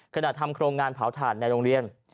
ขณะทำโครงงานเผาธาตุในโรงเรียน